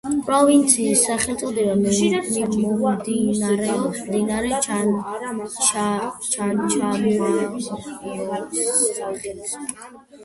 პროვინციის სახელწოდება მომდინარეობს მდინარე ჩანჩამაიოს სახელისგან.